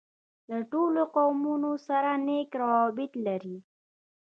له ټولو قومونوسره نېک راوبط لري.